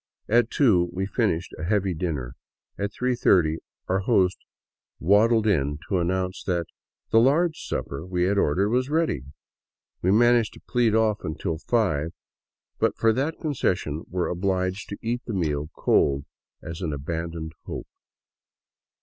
At two we finished a heavy dinner. At three thirty our host waddled in to announce that the "large supper" we had ordered was ready! We managed to plead off until five, but for that concession were obliged to eat the meal cold as an abandoned hope.